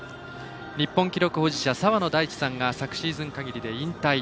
日本記録保持者、澤野大地さんが昨シーズン限りで引退。